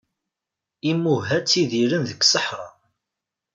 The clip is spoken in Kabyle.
Imuha tidiren deg seḥra.